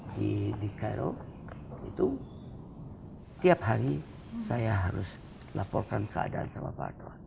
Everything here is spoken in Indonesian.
g delapan di cairo itu tiap hari saya harus laporkan keadaan sama pak harto